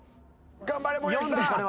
頑張れ！